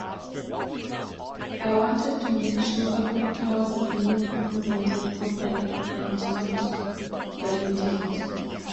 I wanted to make sure Africa was being represented properly and not diluted.